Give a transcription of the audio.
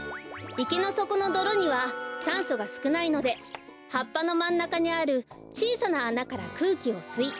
いけのそこのどろにはさんそがすくないのではっぱのまんなかにあるちいさなあなからくうきをすい